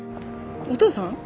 お父さん？